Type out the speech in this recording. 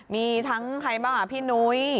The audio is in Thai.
มีทั้งใครบ้างพี่นุ้ย